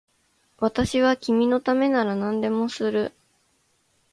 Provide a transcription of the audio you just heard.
私は君のためなら何でもする